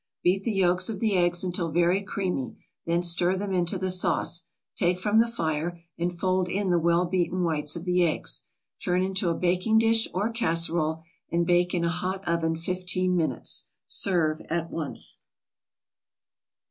Beat the yolks of the eggs until very creamy, then stir them into the sauce, take from the fire, and fold in the well beaten whites of the eggs. Turn into a baking dish or casserole and bake in a hot oven fifteen minutes; serve at once.